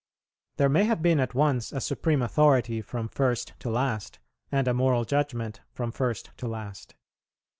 There may have been at once a supreme authority from first to last, and a moral judgment from first to last.